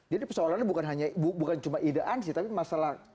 jadi persoalan ini bukan hanya idean sih tapi masalah